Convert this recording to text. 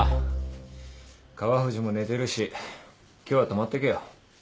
川藤も寝てるし今日は泊まってけよ。